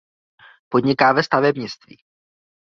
Podniká ve stavebnictví.